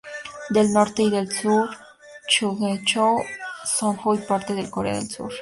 Del Norte y del Sur Chungcheong son hoy parte de Corea del Sur.